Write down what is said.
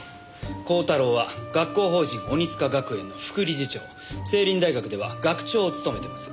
鋼太郎は学校法人鬼束学園の副理事長成林大学では学長を務めてます。